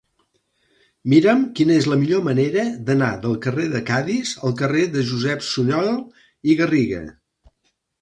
Mira'm quina és la millor manera d'anar del carrer de Cadis al carrer de Josep Sunyol i Garriga.